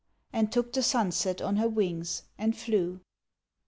And took the sunset on her wings, and flew.